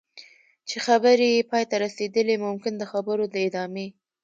چې خبرې یې پای ته رسېدلي ممکن د خبرو د ادامې.